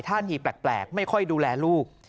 ท่าทีแปลกไม่ค่อยดูแลลูก